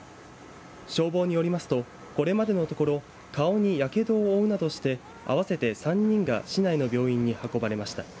消防によりますとこれまでのところ顔にやけどを負うなどして合わせて３人が市内の病院に運ばれました。